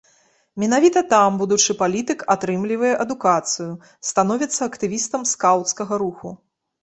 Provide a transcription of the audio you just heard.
Менавіта там будучы палітык атрымлівае адукацыю, становіцца актывістам скаўцкага руху.